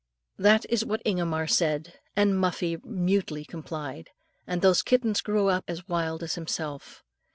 That is what Ingomar said, and Muffie mutely complied; and those kittens grew up as wild as himself.